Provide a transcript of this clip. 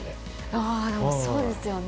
あでもそうですよね。